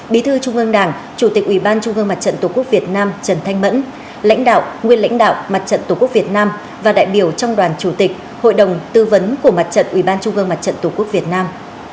bí thư trung ương đảng chủ tịch ủy ban trung ương mặt trận tổ quốc việt nam trần thanh mẫn lãnh đạo nguyên lãnh đạo mặt trận tổ quốc việt nam và đại biểu trong đoàn chủ tịch hội đồng tư vấn của mặt trận ủy ban trung ương mặt trận tổ quốc việt nam